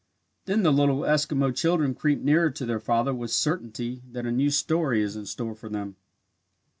Then the little Eskimo children creep nearer to their father with certainty that a new story is in store for them.